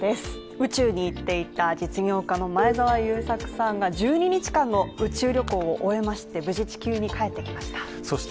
宇宙に行っていた実業家の前澤友作さんが１２日間の宇宙旅行を終えまして無事地球に帰ってきました